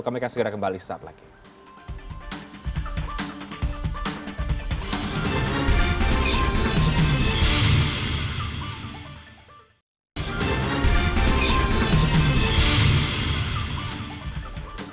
kami akan segera kembali setelah ini